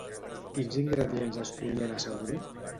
Quins ingredients es podien assaborir?